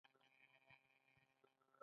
هیڅوک پوهېږې نه،